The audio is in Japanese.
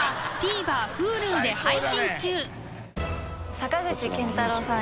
坂口健太郎さん